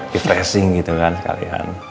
refreshing gitu kan sekalian